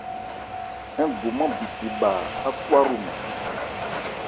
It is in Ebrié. Ngomán bithe bha ákwa hromɛn.